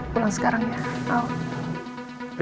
pulang sekarang ya al